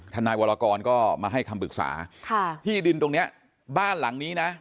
นายวรกรก็มาให้คำปรึกษาค่ะที่ดินตรงเนี้ยบ้านหลังนี้นะ